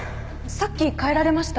さっき帰られましたよ